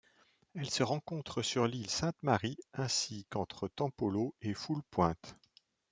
Elle se rencontre sur l'île Sainte-Marie ainsi qu'entre Tampolo et Foulpointe.